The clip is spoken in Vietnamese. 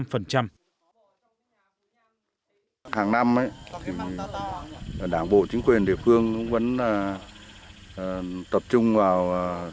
hàng năm đảng bộ chính quyền địa phương vẫn tập trung vào